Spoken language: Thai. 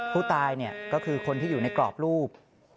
ผู้ตายก็คือคนที่อยู่ในกรอบรูป